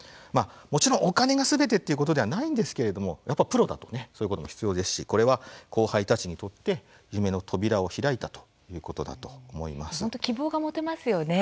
もちろん、お金がすべてということではないんですけれどもやっぱりプロだとそういうことも必要ですしこれは後輩たちにとって夢の扉を開いた本当、希望が持てますよね。